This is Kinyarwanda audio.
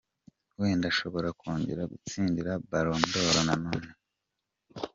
Wenda nshobora kongera gutsindira Ballon d'Or nanone.